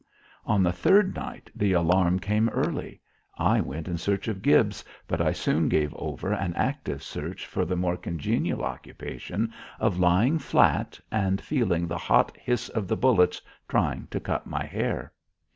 On the third night the alarm came early; I went in search of Gibbs, but I soon gave over an active search for the more congenial occupation of lying flat and feeling the hot hiss of the bullets trying to cut my hair.